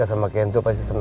aku sudah mencoba reformart